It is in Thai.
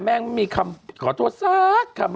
ไม่มีคำขอโทษสักคำ